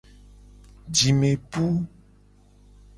Jime pu.